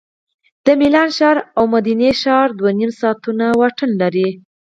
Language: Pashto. د میلان ښار او مودینا ښار دوه نیم ساعتونه واټن لري